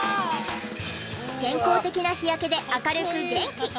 健康的な日焼けで明るく元気！